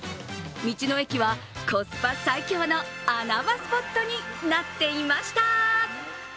道の駅は、コスパ最強の穴場スポットになっていました。